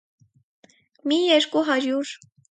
մի երկու հարյուր…